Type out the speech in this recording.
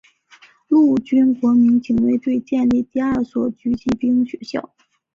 陆军国民警卫队建立第二所狙击兵学校。